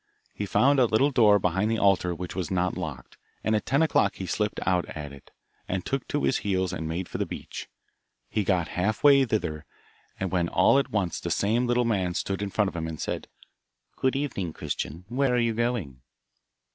He found a little door behind the altar which was not locked, and at ten o'clock he slipped out at it, and took to his heels and made for the beach. He had got half way thither, when all at once the same little man stood in front of him and said, 'Good evening, Christian, where are you going?